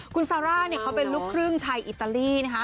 คุณซาร่าเนี่ยเขาเป็นลูกครึ่งไทยอิตาลีนะคะ